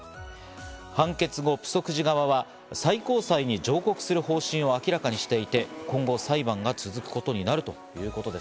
判決後、プソク寺側は最高裁に上告する方針を明らかにしていて、今後、裁判が続くことになるということです。